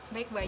baik pak eji